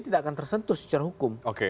tidak akan tersentuh secara hukum